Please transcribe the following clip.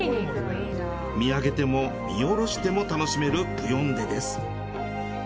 見上げても見下ろしても楽しめるプヨンデです。